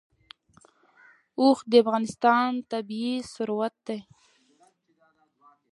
اوښ د افغانستان طبعي ثروت دی.